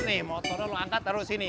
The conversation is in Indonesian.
nih motor lo angkat terus sini